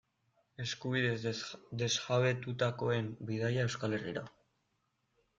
Eskubideez desjabetutakoen bidaia Euskal Herrira.